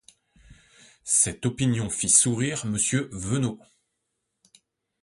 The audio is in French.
Cette opinion fit sourire Monsieur Venot.